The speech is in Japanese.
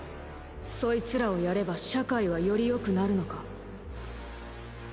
そいつらを殺れば社会はより良くなるのか？